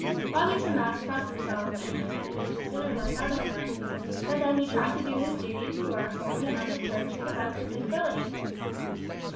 Father Tomas crossed himself, and answered that he was a sinner like other men, but that he tried to do his duty to our holy Mother Church to the best of his ability.